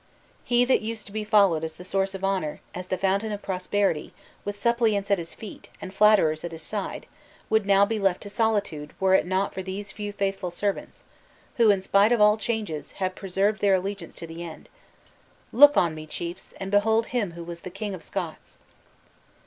He that used to be followed as the source of honor, as the fountain of prosperity with suppliants at his feet, and flatterers at his side would now be left to solitude were it not for these few faithful servants, who, in spite of all changes, have preserved their allegiance to the end. Look on me, chiefs, and behold him who was the King of Scots!"